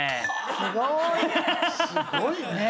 すごいね。